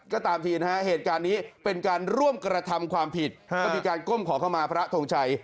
ก็ตามทีนะฮะเหตุการณ์นี้เป็นการร่วมกระทำความผิดก็มีการก้มขอเข้ามาพระทงชัย